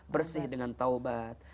bersih dengan taubat